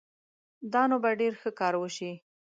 دا نو به ډېر ښه کار وشي